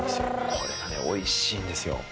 これが、おいしいんですよ。